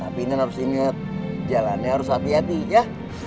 tapi ini harus inget jalannya harus hati hati ya